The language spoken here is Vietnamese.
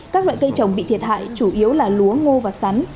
các loại cây trồng bị thiệt hại chủ yếu là lúa ngô và sắn